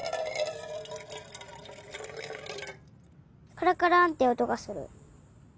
カラカランっておとがする。